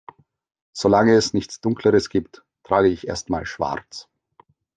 Solange es nichts Dunkleres gibt, trage ich erst mal Schwarz.